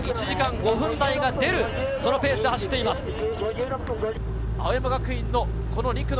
１時間５分台が出るペースで走っています。